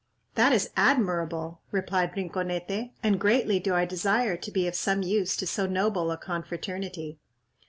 "That is all admirable," replied Rinconete, "and greatly do I desire to be of some use to so noble a confraternity."